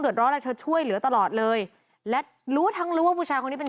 ร้อนอะไรเธอช่วยเหลือตลอดเลยและรู้ทั้งรู้ว่าผู้ชายคนนี้เป็น